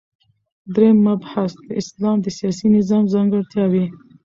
دریم مبحث : د اسلام د سیاسی نظام ځانګړتیاوی